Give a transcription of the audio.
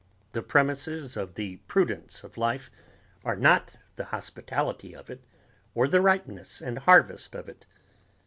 The premises of the prudence of life are not the hospitality of it or the ripeness and harvest of it.